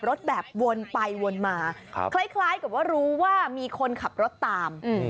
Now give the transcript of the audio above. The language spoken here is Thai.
รถแบบวนไปวนมาคล้ายกับว่ารู้ว่ามีคนขับรถตาม